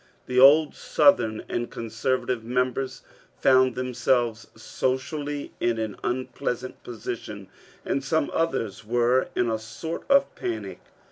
The old Southern and conservatiye members found themselves socially in an unpleasant position, and some others were in a sort of panic.